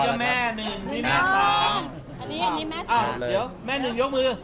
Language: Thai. อ้าวเดี๋ยวแม่๑ยกมือ